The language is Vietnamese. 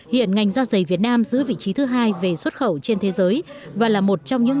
hiện ngành da giày việt nam giữ vị trí thứ hai về xuất khẩu trên thế giới và là một trong những